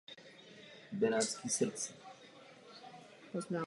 Stejně tak i jednotlivce musíme chápat v souvislosti s jeho kulturou a stylem života.